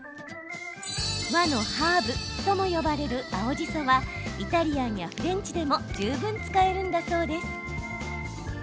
和のハーブとも呼ばれる青じそはイタリアンやフレンチでも十分使えるんだそうです。